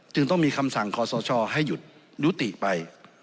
ต้องมีคำสั่งขอสชให้หยุดยุติไป